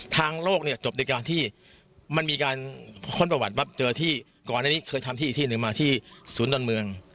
ทางโลกเนี่ยจบโดยการที่มันมีการค้นประวัติปั๊บเจอที่ก่อนอันนี้เคยทำที่อีกที่หนึ่งมาที่ศูนย์ดอนเมือง